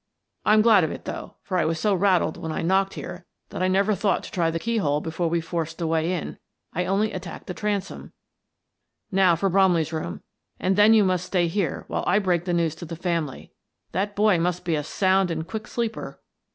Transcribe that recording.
I'm glad of it, though, for I was so rattled when I knocked here that I never thought to try the keyhole before we forced a way in ; I only attacked the tran som. Now for Bromley's room, and then you must stay here while I break the news to the family. That boy must be a sound and quick sleeper."